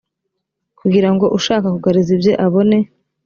kugira ngo ushaka kugaruza ibye abone